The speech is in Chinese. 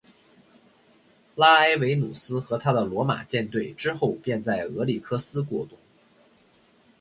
拉埃维努斯和他的罗马舰队之后便在俄里科斯过冬。